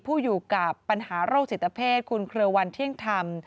ผู้อยู่กับปัญหาโรคจิตเพศคุณเครือวันเที่ยงธรรม